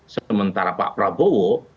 sementara pak prabowo